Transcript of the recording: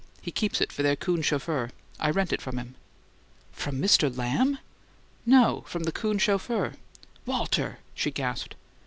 He keeps it for their coon chauffeur. I rent it from him." "From Mr. LAMB?" "No; from the coon chauffeur." "Walter!" she gasped.